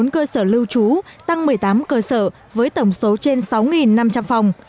hai trăm bốn mươi bốn cơ sở lưu trú tăng một mươi tám cơ sở với tổng số trên sáu năm trăm linh phòng